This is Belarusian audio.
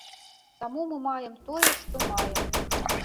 Таму мы маем тое, што маем.